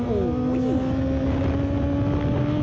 อู้หู